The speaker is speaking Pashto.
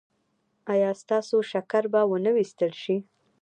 ایا ستاسو شکر به و نه ویستل شي؟